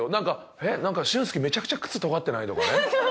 えっなんか俊介めちゃくちゃ靴とがってない？とかね。